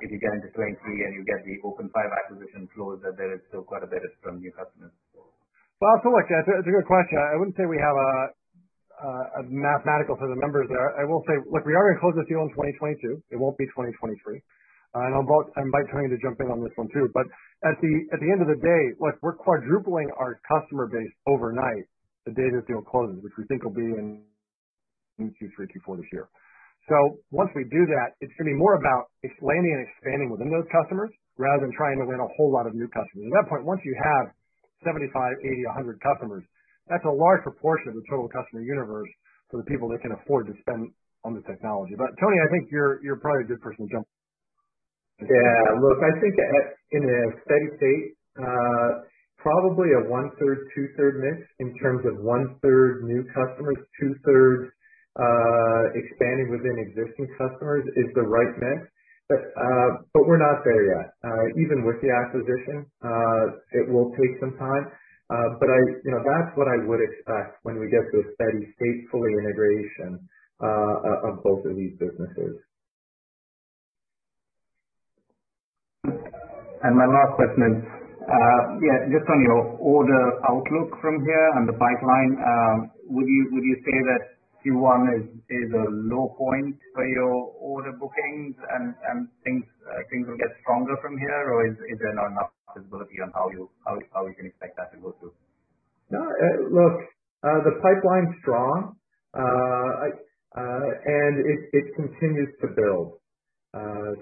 if you get into 2023 and you get the OpenFive acquisition closed, that there is still quite a bit of some new customers as well? Well, look, it's a good question. I wouldn't say we have a mathematical set of numbers there. I will say, look, we are gonna close this deal in 2022. It won't be 2023. I'll invite Tony to jump in on this one too, but at the end of the day, like, we're quadrupling our customer base overnight the day this deal closes, which we think will be in Q3, Q4 this year. Once we do that, it's gonna be more about explaining and expanding within those customers rather than trying to win a whole lot of new customers. At that point, once you have 75, 80, 100 customers, that's a large proportion of the total customer universe for the people that can afford to spend on the technology. Tony, I think you're probably a good person to jump in. Yeah. Look, I think in a steady state, probably a one-third, two-thirds mix, in terms of one-third new customers, two-thirds expanding within existing customers is the right mix. But we're not there yet. Even with the acquisition, it will take some time. But you know, that's what I would expect when we get to a steady state full integration of both of these businesses. My last question, just on your order outlook from here and the pipeline, would you say that Q1 is a low point for your order bookings and things will get stronger from here? Or is there not enough visibility on how we can expect that to go through? No, look, the pipeline's strong. It continues to build.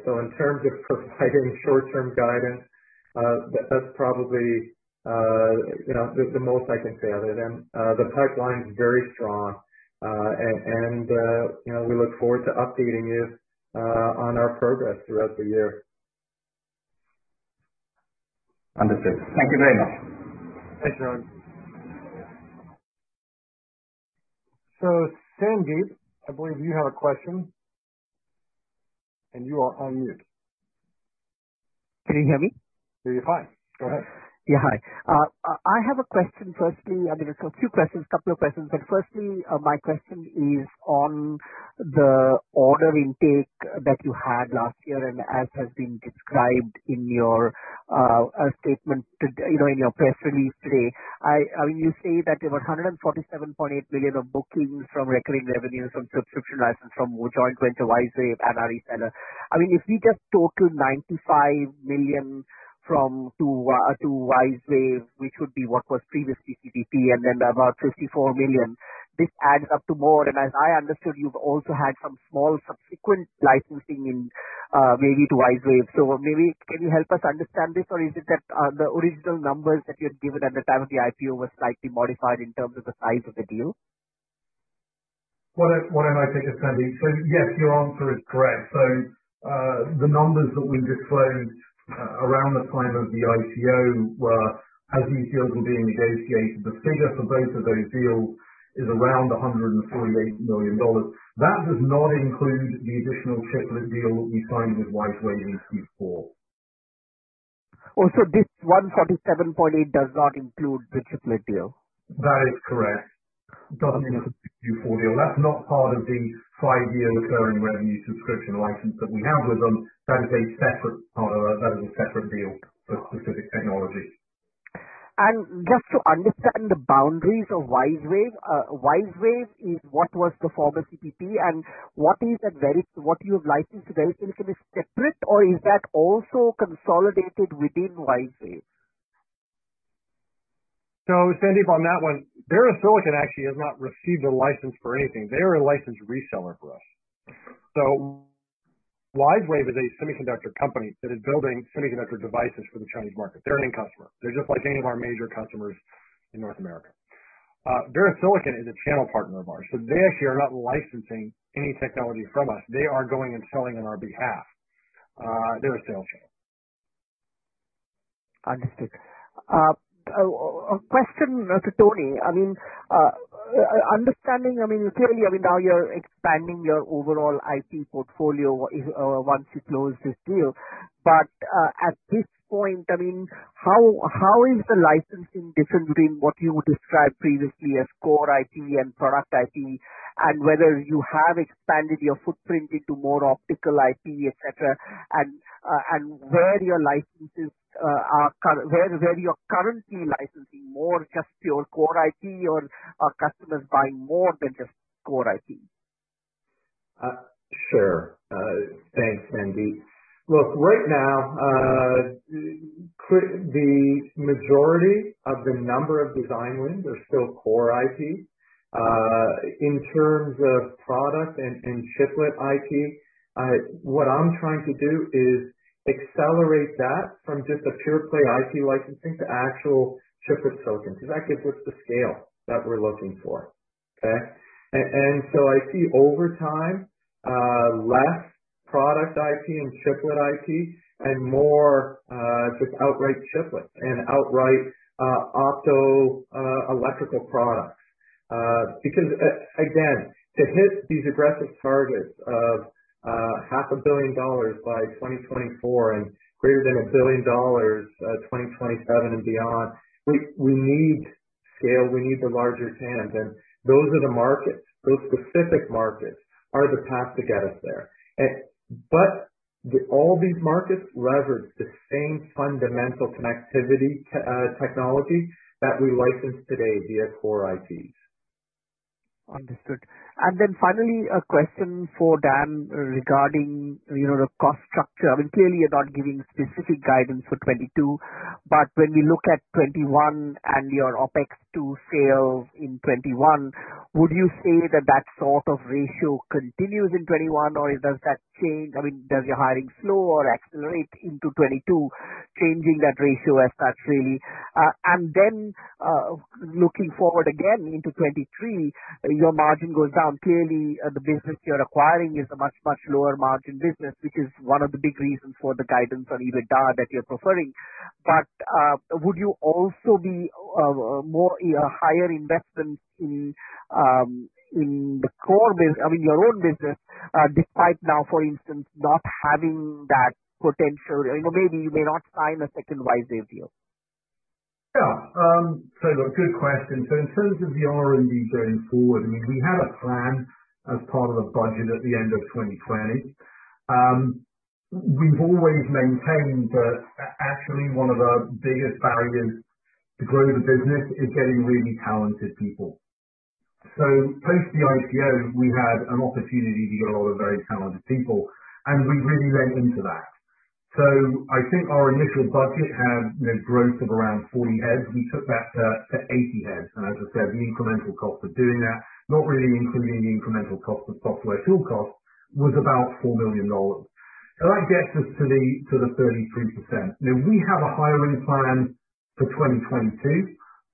In terms of providing short-term guidance, that's probably, you know, the most I can say other than the pipeline's very strong. You know, we look forward to updating you on our progress throughout the year. Understood. Thank you very much. Thanks, Arun. Sandeep, I believe you have a question, and you are on mute. Can you hear me? Very fine. Go ahead. Yeah. Hi. I have a question firstly. I mean, it's a few questions, couple of questions, but firstly, my question is on the order intake that you had last year and as has been described in your statement today, you know, in your press release today. I mean, you say that there were $147.8 million of bookings from recurring revenues from subscription license, from joint venture WiseWave and our reseller. I mean, if we just total $95 million from to WiseWave, which would be what was previously CPP, and then about $54 million, this adds up to more. As I understood, you've also had some small subsequent licensing in, maybe to WiseWave. Maybe can you help us understand this, or is it that the original numbers that you had given at the time of the IPO were slightly modified in terms of the size of the deal? Why don't I take it, Sandeep. Yes, your answer is correct. The numbers that we disclosed around the time of the IPO were as these deals were being negotiated. The figure for both of those deals is around $148 million. That does not include the additional chiplet deal that we signed with WiseWave in Q4. Also this $147.8 does not include the chiplet deal? That is correct. It doesn't include the chiplet deal. That's not part of the five-year recurring revenue subscription license that we have with them. That is a separate part of it. That is a separate deal for specific technology. Just to understand the boundaries of WiseWave. WiseWave is what was the former CPP and what you have licensed to VeriSilicon is separate or is that also consolidated within WiseWave? Sandeep, on that one, VeriSilicon actually has not received a license for anything. They are a licensed reseller for us. WiseWave is a semiconductor company that is building semiconductor devices for the Chinese market. They're a named customer. They're just like any of our major customers in North America. VeriSilicon is a channel partner of ours, so they actually are not licensing any technology from us. They are going and selling on our behalf. They're a sales channel. Understood. A question to Tony. I mean, understanding, I mean, clearly, I mean, now you're expanding your overall IP portfolio once you close this deal. At this point, I mean, how is the licensing different between what you described previously as core IP and product IP? Whether you have expanded your footprint into more optical IP, et cetera, and where you're currently licensing more just your core IP or are customers buying more than just core IP? Sure. Thanks, Sandeep. Look, right now, the majority of the number of design wins are still core IP. In terms of product and chiplet IP, what I'm trying to do is accelerate that from just a pure play IP licensing to actual chiplet products, because that gives us the scale that we're looking for. Okay. I see over time less product IP and chiplet IP and more just outright chiplet and outright opto-electrical products. Because again, to hit these aggressive targets of half a billion dollars by 2024 and greater than $1 billion, 2027 and beyond, we need scale, we need the larger TAM. Those are the markets. Those specific markets are the path to get us there. All these markets leverage the same fundamental connectivity technology that we license today via core IPs. Understood. Finally, a question for Dan regarding, you know, the cost structure. I mean, clearly you're not giving specific guidance for 2022, but when we look at 2021 and your OpEx to sales in 2021, would you say that sort of ratio continues in 2021 or does that change? I mean, does your hiring slow or accelerate into 2022, changing that ratio. Looking forward again into 2023, your margin goes down. Clearly, the business you're acquiring is a much, much lower margin business, which is one of the big reasons for the guidance on EBITDA that you're preferring. Would you also be more, you know, higher investment in your own business, despite now, for instance, not having that potential, you know, maybe you may not sign a second WiseWave deal? Yeah. Look, good question. In terms of the R&D going forward, I mean, we had a plan as part of the budget at the end of 2020. We've always maintained that actually one of our biggest barriers to grow the business is getting really talented people. Post the IPO, we had an opportunity to get a lot of very talented people, and we really leaned into that. I think our initial budget had, you know, growth of around 40 heads. We took that to 80 heads. As I said, the incremental cost of doing that, not really increasing the incremental cost of software tool costs, was about $4 million. That gets us to the 33%. Now we have a hiring plan for 2022. You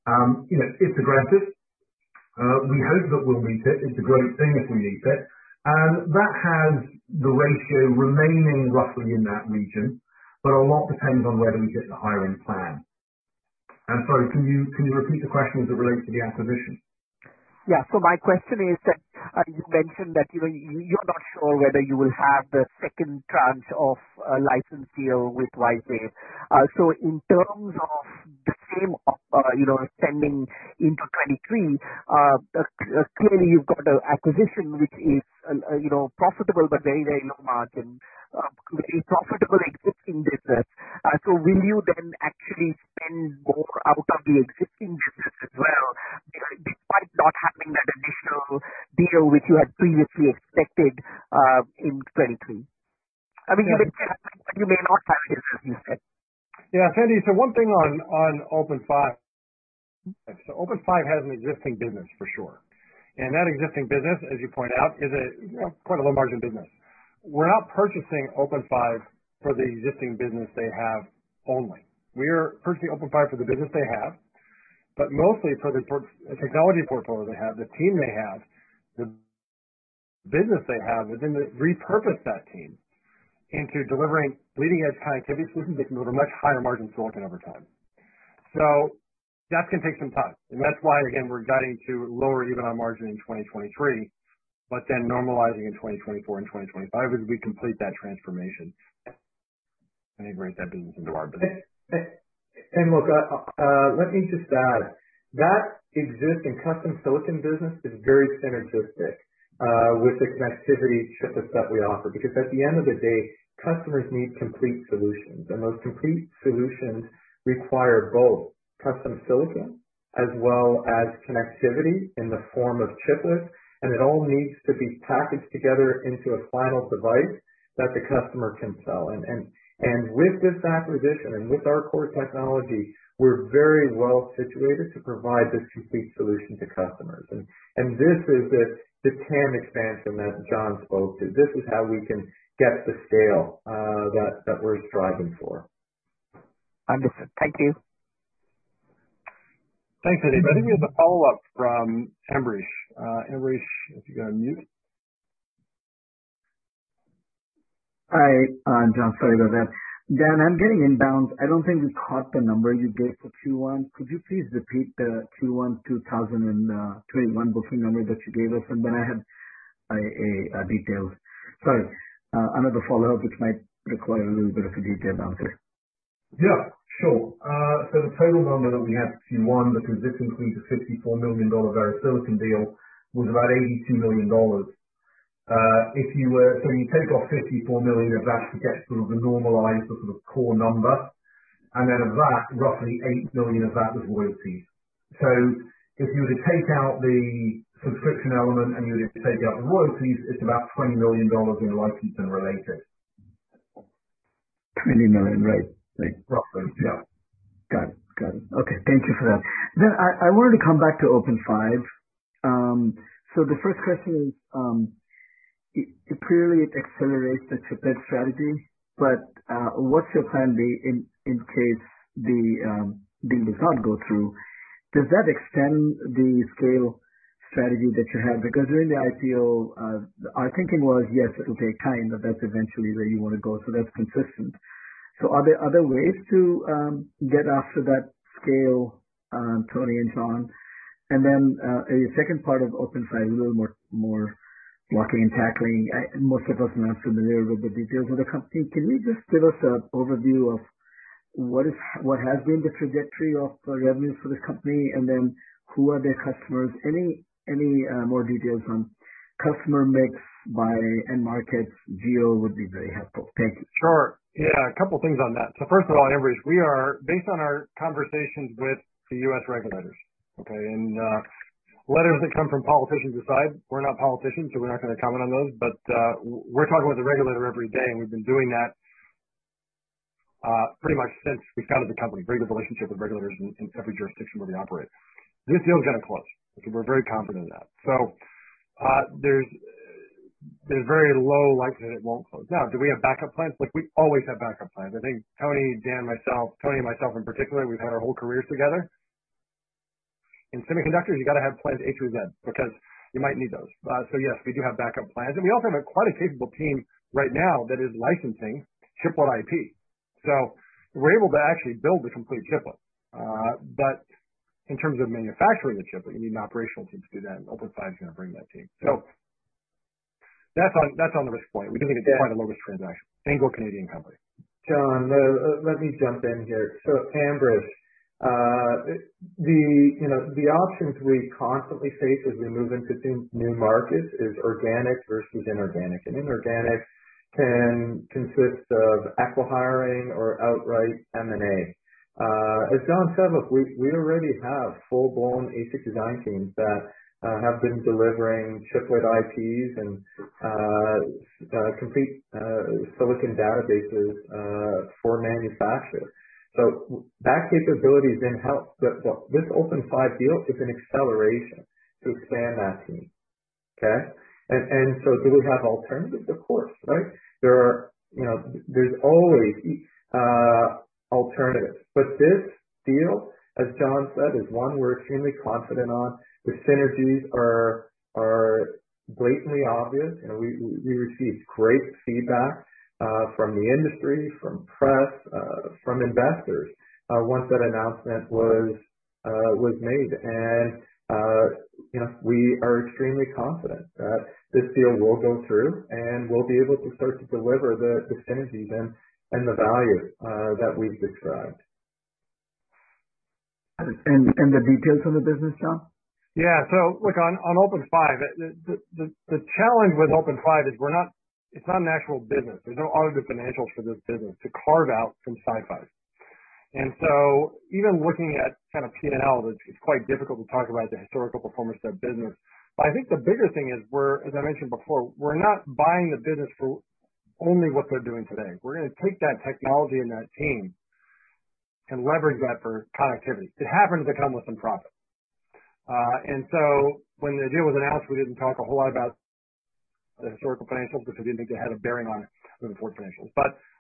know, it's aggressive. We hope that we'll meet it. It's a great thing if we meet it. That has the ratio remaining roughly in that region, but a lot depends on whether we hit the hiring plan. Can you repeat the question as it relates to the acquisition? My question is that you mentioned that, you know, you're not sure whether you will have the second tranche of a license deal with WiseWave. In terms of the same, you know, extending into 2023, clearly you've got an acquisition which is, you know, profitable but very, very low margin, very profitable existing business. Will you then actually spend more out of the existing business as well, despite not having that additional deal which you had previously expected, in 2023? I mean, you may not have the existing business. Yeah, Sandeep. One thing on OpenFive. OpenFive has an existing business for sure. That existing business, as you point out, is a, you know, quite a low margin business. We're not purchasing OpenFive for the existing business they have only. We are purchasing OpenFive for the business they have, but mostly for the IP technology portfolio they have, the team they have, the business they have, and then repurpose that team into delivering leading edge high connectivity solutions that can go to much higher margin silicon over time. That's gonna take some time. That's why, again, we're guiding to lower even our margin in 2023, but then normalizing in 2024 and 2025 as we complete that transformation. Integrate that business into our business. Look, let me just add, that existing custom silicon business is very synergistic with the connectivity chiplets that we offer, because at the end of the day, customers need complete solutions. Those complete solutions require both custom silicon as well as connectivity in the form of chiplets, and it all needs to be packaged together into a final device that the customer can sell. With this acquisition and with our core technology, we're very well situated to provide this complete solution to customers. This is the TAM expansion that John spoke to. This is how we can get the scale that we're striving for. Understood. Thank you. Thanks, Anil. I think we have a follow-up from Ambrish. Ambrish, if you got to unmute. Hi, John. Sorry about that. Dan, I'm getting inbounds. I don't think we caught the number you gave for Q1. Could you please repeat the Q1 2021 booking number that you gave us? Then I have another follow-up which might require a little bit of a deep dive after. Yeah, sure. The total number that we had for Q1, the position between the $54 million VeriSilicon deal was about $82 million. You take off $54 million of that to get sort of the normalized or sort of core number. Of that, roughly $8 million of that was royalties. If you were to take out the subscription element and you were to take out the royalties, it's about $20 million in licensing related. $20 million, right. Roughly, yeah. Got it. Okay, thank you for that. I wanted to come back to OpenFive. The first question is, apparently it accelerates the chiplet strategy, but what's your plan B in case the deal does not go through? Does that extend the scale strategy that you have? Because during the IPO, our thinking was, yes, it will take time, but that's eventually where you wanna go. That's consistent. Are there other ways to get after that scale, Tony and John? The second part of OpenFive, a little more blocking and tackling. Most of us are not familiar with the details of the company. Can you just give us an overview of what has been the trajectory of the revenues for the company, and then who are their customers? Any more details on customer mix by end markets geo would be very helpful. Thank you. Sure. Yeah, a couple things on that. First of all, Ambrish, we are based on our conversations with the U.S. regulators, okay? Letters that come from politicians aside, we're not politicians, so we're not gonna comment on those. We're talking with the regulator every day, and we've been doing that pretty much since we founded the company. Very good relationship with regulators in every jurisdiction where we operate. This deal is gonna close, okay? We're very confident in that. There's very low likelihood it won't close. Now, do we have backup plans? Look, we always have backup plans. I think Tony, Dan, myself, Tony and myself in particular, we've had our whole careers together. In semiconductors, you gotta have plans A through Z because you might need those. Yes, we do have backup plans. We also have a quite capable team right now that is licensing chiplet IP. We're able to actually build the complete chiplet. But in terms of manufacturing the chiplet, you need an operational team to do that, and OpenFive is gonna bring that to you. That's on the risk point. We do think it's quite a low-risk transaction. Anglo Canadian company. John, let me jump in here. Ambrish, you know, the options we constantly face as we move into new markets is organic versus inorganic. Inorganic can consist of acqui-hiring or outright M&A. As John said, look, we already have full-blown ASIC design teams that have been delivering chiplet IPs and complete silicon databases for manufacturers. That capability is going to help. This OpenFive deal is an acceleration to expand that team. Okay? Do we have alternatives? Of course, right? There are, you know, there's always alternatives. This deal, as John said, is one we're extremely confident on. The synergies are blatantly obvious. You know, we received great feedback from the industry, from press, from investors once that announcement was made. You know, we are extremely confident that this deal will go through, and we'll be able to start to deliver the synergies and the value that we've described. the details of the business, John? Yeah. Look on OpenFive, the challenge with OpenFive is it's not an actual business. There's no audited financials for this business to carve out from SiFive. Even looking at kind of P&L, it's quite difficult to talk about the historical performance of their business. I think the bigger thing is, as I mentioned before, we're not buying the business for only what they're doing today. We're gonna take that technology and that team and leverage that for connectivity. It happens to come with some profit. When the deal was announced, we didn't talk a whole lot about the historical financials because we didn't think they had a bearing on it for the forward financials.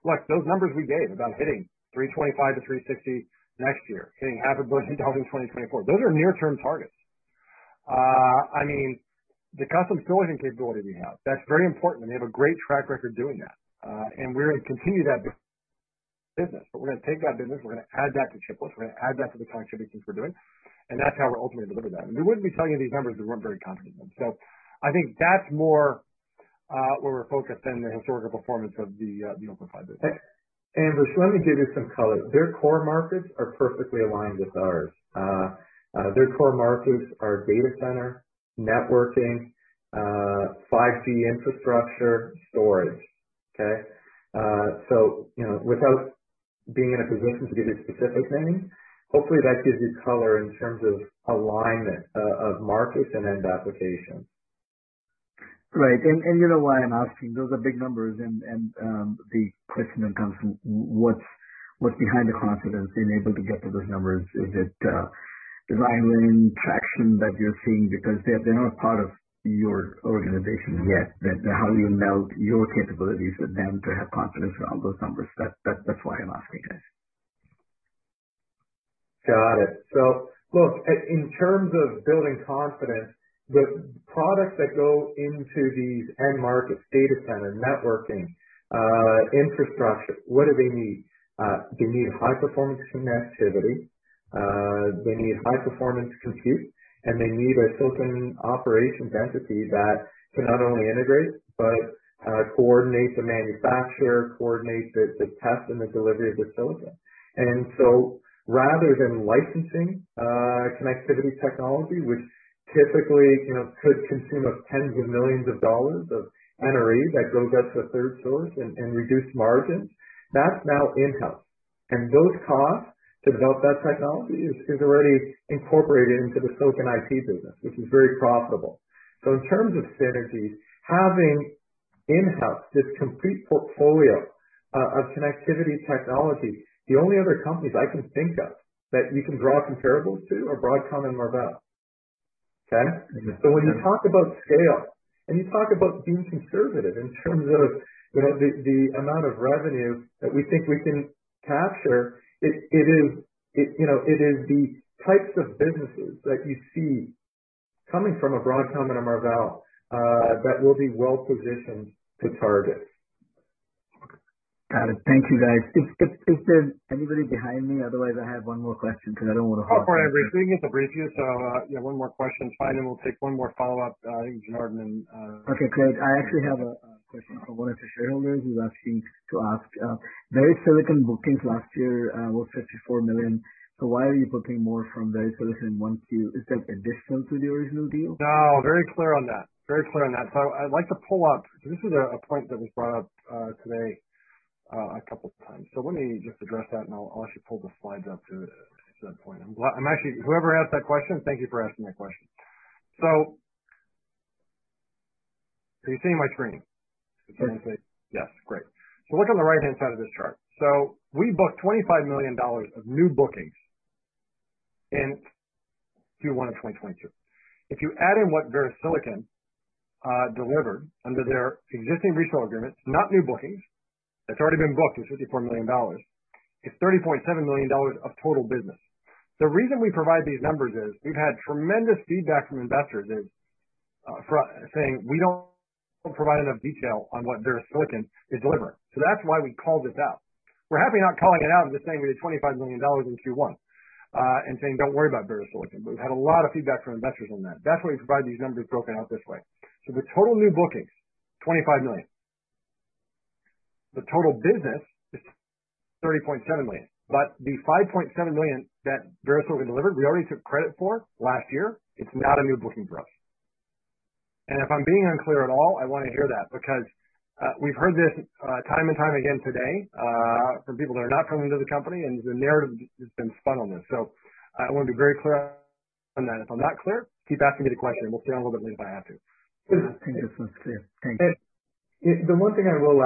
Look, those numbers we gave about hitting $325 million-$360 million next year, hitting $500 million in 2024, those are near-term targets. I mean, the custom silicon capability we have, that's very important, and they have a great track record doing that. We're gonna continue that business. We're gonna take that business, we're gonna add that to chiplet, we're gonna add that to the contributions we're doing, and that's how we're ultimately deliver that. We wouldn't be telling you these numbers if we weren't very confident in them. I think that's more, where we're focused than the historical performance of the OpenFive business. Ambrish, let me give you some color. Their core markets are perfectly aligned with ours. Their core markets are data center, networking, 5G infrastructure, storage. Okay? You know, without being in a position to give you specific names, hopefully that gives you color in terms of alignment of markets and end applications. Right. You know why I'm asking. Those are big numbers, the question then comes from what's behind the confidence being able to get to those numbers? Is it design win traction that you're seeing? Because they're not part of your organization yet. How you meld your capabilities with them to have confidence around those numbers. That's why I'm asking this. Got it. Look, in terms of building confidence, the products that go into these end markets, data center, networking, infrastructure, what do they need? They need high performance connectivity, they need high performance compute, and they need a silicon operations entity that can not only integrate, but coordinate the manufacturer, coordinate the test and the delivery of the silicon. Rather than licensing connectivity technology, which typically, you know, could consume up $10s of millions of NRE that goes out to a third source and reduced margins, that's now in-house. Those costs to develop that technology is already incorporated into the Silicon IP business, which is very profitable. In terms of synergies, having in-house this complete portfolio of connectivity technology, the only other companies I can think of that you can draw comparables to are Broadcom and Marvell. Okay? Mm-hmm. When you talk about scale and you talk about being conservative in terms of, you know, the amount of revenue that we think we can capture, it is the types of businesses that you see coming from a Broadcom and a Marvell that we'll be well-positioned to target. Got it. Thank you, guys. Is there anybody behind me? Otherwise, I have one more question because I don't wanna- Oh, go ahead, Ambrish. We need to brief you, so, yeah, one more question is fine, then we'll take one more follow-up from Janardan. Okay, great. I actually have a question from one of the shareholders who's asking to ask VeriSilicon bookings last year was $54 million. Why are you booking more from VeriSilicon in 1Q? Is that additional to the original deal? No, very clear on that. This is a point that was brought up today, a couple times. Let me just address that and I'll actually pull the slides up to that point. Whoever asked that question, thank you for asking that question. Are you seeing my screen? Yes, please. Yes. Great. Look on the right-hand side of this chart. We booked $25 million of new bookings in Q1 of 2022. If you add in what VeriSilicon delivered under their existing resale agreements, not new bookings, it's already been booked, it's $54 million, it's $30.7 million of total business. The reason we provide these numbers is we've had tremendous feedback from investors that saying we don't provide enough detail on what VeriSilicon is delivering. That's why we called this out. We're happy not calling it out and just saying we did $25 million in Q1 and saying, "Don't worry about VeriSilicon." We've had a lot of feedback from investors on that. That's why we provide these numbers broken out this way. The total new bookings, $25 million. The total business is $30.7 million. The five point seven million that VeriSilicon delivered, we already took credit for last year. It's not a new booking for us. If I'm being unclear at all, I wanna hear that because, we've heard this, time and time again today, from people that are not familiar with the company and the narrative has been spun on this. I want to be very clear on that. If I'm not clear, keep asking me the question. We'll stay on a little bit late if I have to. I think this one's clear. Thank you. The one thing I will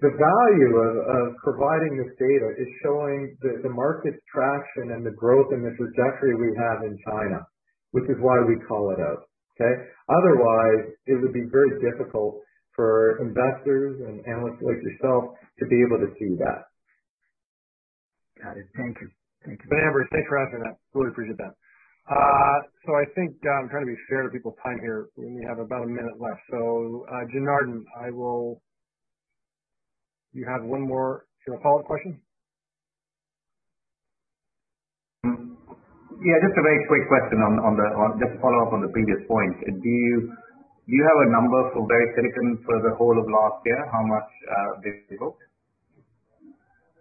add, the value of providing this data is showing the market traction and the growth and the trajectory we have in China, which is why we call it out. Okay? Otherwise, it would be very difficult for investors and analysts like yourself to be able to see that. Got it. Thank you. Thank you. Ambrish, thanks for asking that. Really appreciate that. I think, I'm trying to be fair to people's time here. We only have about a minute left. Janardan, I will. You have one more, do you have a follow-up question? Yeah, just a very quick question on just to follow up on the previous point. Do you have a number for VeriSilicon for the whole of last year? How much did they book?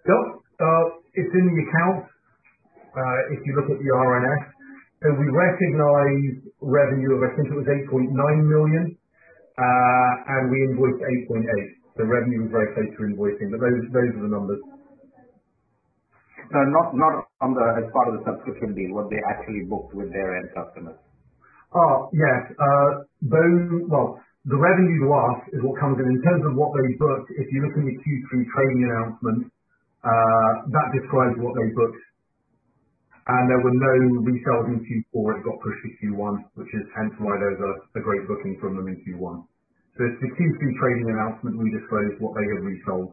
Sure. It's in the accounts. If you look at the RNS. We recognized revenue of, I think it was $8.9 million, and we invoiced $8.8 million. The revenue was very close to invoicing, but those are the numbers. No, not as part of the subscription deal, what they actually booked with their end customers. Oh, yes. Well, the revenue you ask is what comes in. In terms of what they booked, if you look in the Q3 trading announcement, that describes what they booked. There were no resales in Q4 that got pushed to Q1, which is hence why those are a great booking from them in Q1. It's the Q3 trading announcement, we disclose what they have resold.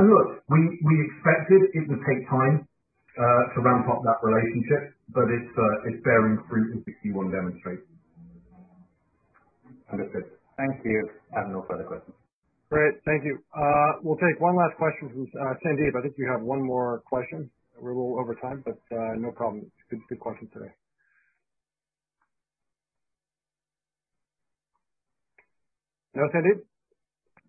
Look, we expected it would take time to ramp up that relationship, but it's bearing fruit as Q1 demonstrates. Understood. Thank you. I have no further questions. Great. Thank you. We'll take one last question from Sandeep. I think you have one more question. We're a little over time, but no problem. It's been good questions today. No, Sandeep?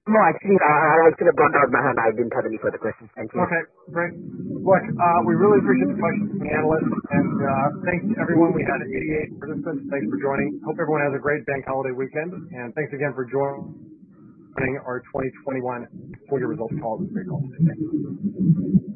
No, actually, I was gonna bundle up. I haven't been having any further questions. Thank you. Okay, great. Look, we really appreciate the questions from the analysts, and thank you everyone. We had 88 participants. Thank you for joining. Hope everyone has a great bank holiday weekend. Thanks again for joining our 2021 full year results call with Alphawave. Thank you.